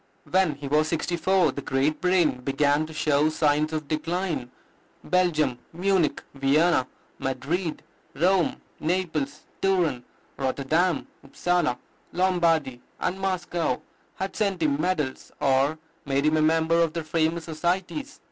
When he was sixty four the great brain began to show signs of decline. Belgium, Munich, Vienna, Madrid, Rome, Naples, Turin, Rotterdam, Upsala, Lombardy, and Moscow had sent him medals, or made him a member of their famous societies.